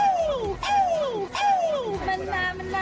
วันนี้เกี่ยวกับกองถ่ายเราจะมาอยู่กับว่าเขาเรียกว่าอะไรอ่ะนางแบบเหรอ